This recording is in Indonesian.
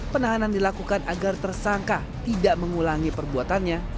penahanan dilakukan agar tersangka tidak mengulangi perbuatannya